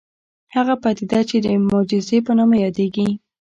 هغه پديده چې د معجزې په نامه يادېږي.